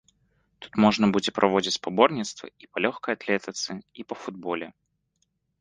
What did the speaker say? Тут можна будзе праводзіць спаборніцтвы і па лёгкай атлетыцы, і па футболе.